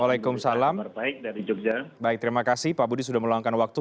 waalaikumsalam terima kasih pak budi sudah meluangkan waktu